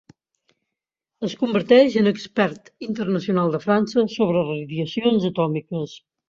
Es converteix en expert internacional de França sobre radiacions atòmiques.